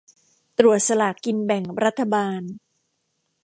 ตรวจสลากกินแบ่งรัฐบาล